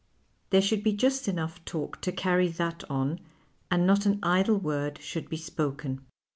There shoidd be just enougli talk to carry that on and not an idle word should be spoken.